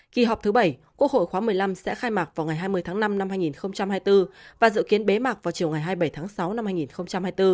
kỳ họp thứ bảy quốc hội khóa một mươi năm sẽ khai mạc vào ngày hai mươi tháng năm năm hai nghìn hai mươi bốn và dự kiến bế mạc vào chiều ngày hai mươi bảy tháng sáu năm hai nghìn hai mươi bốn